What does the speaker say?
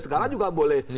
sekarang juga boleh